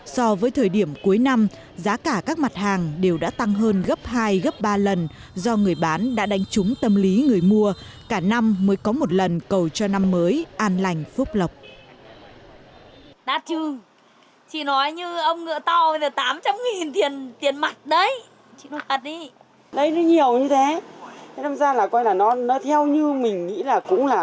so với thời điểm cuối năm giá cả các mặt hàng đều đã tăng hơn gấp hai gấp ba lần do người bán đã đánh trúng tâm lý người mua cả năm mới có một lần cầu cho năm mới an lành phúc lọc